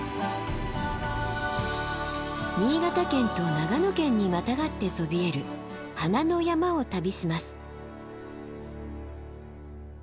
新潟県と長野県にまたがってそびえる花の山を旅します。